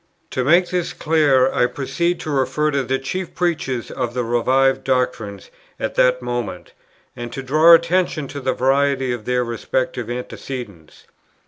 To make this clear, I proceed to refer to the chief preachers of the revived doctrines at that moment, and to draw attention to the variety of their respective antecedents.